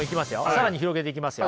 更に広げていきますよ。